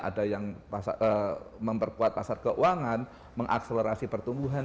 ada yang memperkuat pasar keuangan mengakselerasi pertumbuhan